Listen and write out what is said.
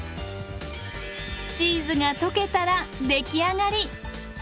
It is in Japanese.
チーズが溶けたら出来上がり。